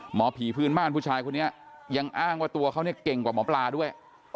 หมอผีพื้นบ้านยังเป็นผู้ชายเก่งกว่าหมอปลาด้วย